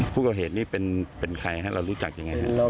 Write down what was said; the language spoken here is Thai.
ผู้ก่อเหตุนี่เป็นใครฮะเรารู้จักยังไงครับ